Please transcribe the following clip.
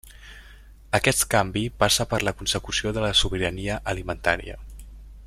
Aquest canvi passa per la consecució de la sobirania alimentària.